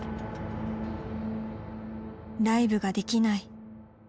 ライブができない。